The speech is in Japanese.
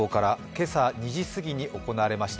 今朝、２時すぎに行われました